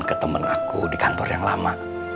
ke temen aku di kantor yang lama